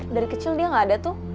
dari kecil dia gak ada tuh